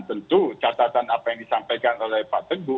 tentu catatan apa yang disampaikan oleh pak teguh